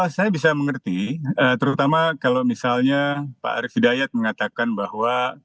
saya bisa mengerti terutama kalau misalnya pak arief hidayat mengatakan bahwa